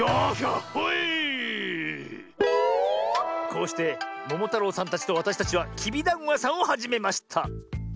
こうしてももたろうさんたちとわたしたちはきびだんごやさんをはじめました。